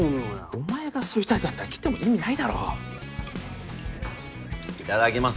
お前がそういう態度だったら来ても意味ないだろ「いただきます」